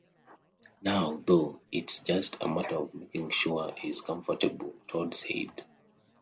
Now, though, "it's just a matter of making sure he's comfortable," Todd said.